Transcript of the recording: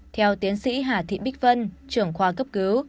theo tiến sĩ hà thị bích vân trưởng khoa cấp cứu